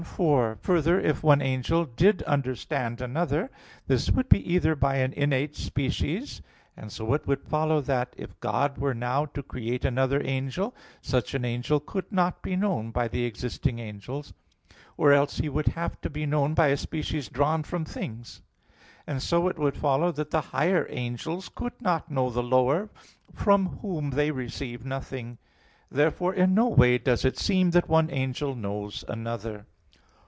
4: Further, if one angel did understand another, this would be either by an innate species; and so it would follow that, if God were now to create another angel, such an angel could not be known by the existing angels; or else he would have to be known by a species drawn from things; and so it would follow that the higher angels could not know the lower, from whom they receive nothing. Therefore in no way does it seem that one angel knows another.